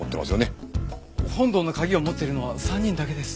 本堂の鍵を持ってるのは３人だけです。